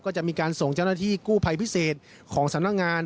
ก็จะมีการส่งเจ้าหน้าที่กู้ภัยพิเศษของสำนักงาน